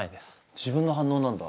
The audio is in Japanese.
自分の反応なんだ。